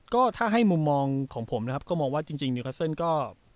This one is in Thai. ก็ถ้าให้มุมมองของผมนะครับก็มองว่าจริงนิวคัสเซิลก็